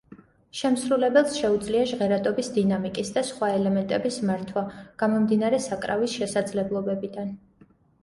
შემსრულებელს შეუძლია ჟღერადობის დინამიკის და სხვა ელემენტების მართვა, გამომდინარე საკრავის შესაძლებლობებიდან.